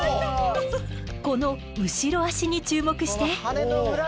この後ろ足に注目して。